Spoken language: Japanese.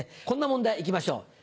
こんな問題行きましょう。